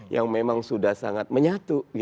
yang memang sudah sangat menyatu